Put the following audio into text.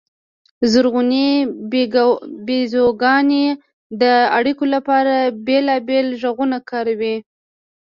زرغونې بیزوګانې د اړیکو لپاره بېلابېل غږونه کاروي.